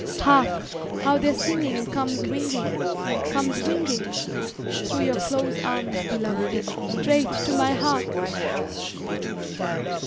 Hark! How their singing Comes winging, comes winging, Through your close arms, beloved, Straight to my heart!"